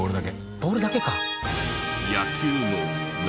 ボールだけか。